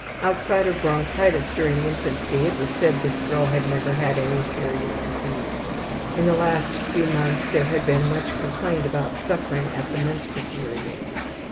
Outside of bronchitis during infancy it was said this girl had never had any serious disease. In the last few months there had been much complaint about suffering at the menstrual period.